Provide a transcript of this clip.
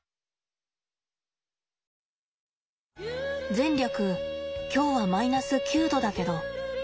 前略今日はマイナス９度だけど。